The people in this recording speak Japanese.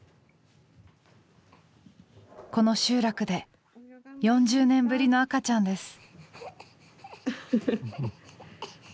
この集落で４０年ぶりの赤ちゃんです。